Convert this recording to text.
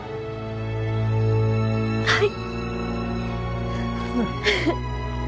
はい。